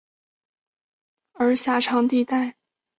而狭长地带最小的城镇则为圣玛里埃什和邦纳斯码头。